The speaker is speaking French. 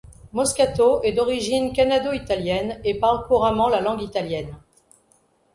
Moscato est d'origine canado-italienne et parle couramment la langue italienne.